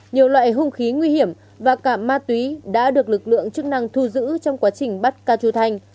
nhiều loại hung khí nguy hiểm và cả ma túy đã được lực lượng chức năng thu giữ trong quá trình bắt ca chu thanh